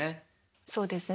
そうですね。